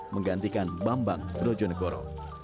menggantikan bambang rojonegoro